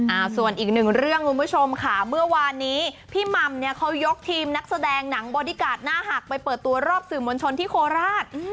อ่าส่วนอีกหนึ่งเรื่องคุณผู้ชมค่ะเมื่อวานนี้พี่หม่ำเนี่ยเขายกทีมนักแสดงหนังบอดี้การ์ดหน้าหักไปเปิดตัวรอบสื่อมวลชนที่โคราช